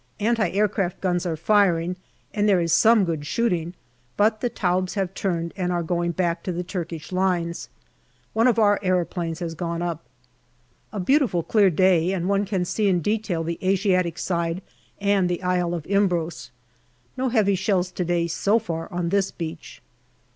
Anti aircraft guns are firing and there is some good shooting, but the Taubes have turned and are going back to the Turkish lines. One of our aeroplanes has gone up. A beautiful clear day, and one can see in detail the Asiatic side and the Isle of Imbros. No heavy shells to day so far on this beach.